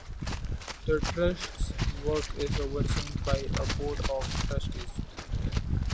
The Trust's work is overseen by a Board of Trustees.